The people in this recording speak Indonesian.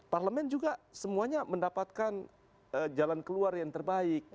parlemen juga semuanya mendapatkan jalan keluar yang terbaik